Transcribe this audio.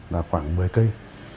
là khoảng một mươi cây